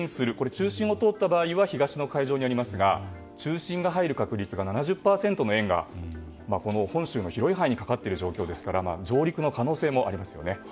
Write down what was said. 中心を通った場合は東の海上にありますが中心が入る確率が７０％の円が本州の広い範囲にかかっている状況ですから上陸の可能性もありますよね。